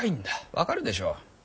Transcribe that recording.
分かるでしょう。